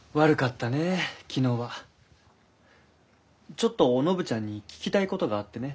ちょっとお信ちゃんに聞きたいことがあってね。